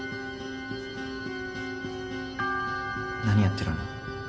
何やってるの？